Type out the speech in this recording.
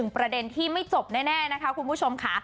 ประเด็นที่ไม่จบแน่นะคะคุณผู้ชมค่ะ